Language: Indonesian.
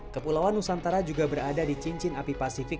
kepulauan nusantara juga berada di cincin api pasifik